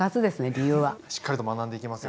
しっかりと学んでいきますよ。